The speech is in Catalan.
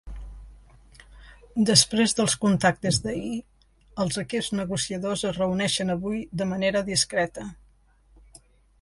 Després dels contactes d’ahir, els equips negociadors es reuneixen avui de manera discreta.